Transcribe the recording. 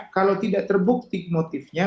kalau tidak terbukti motifnya